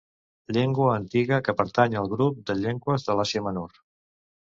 Llengua antiga que pertany al grup de llengües de l'Àsia Menor.